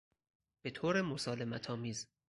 بطور مسالمت آمیز